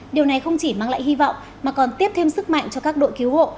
điều này không chỉ mang lại hy vọng mà còn tiếp thêm sức mạnh cho các đội cứu hộ